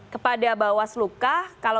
kepada bawaslu kah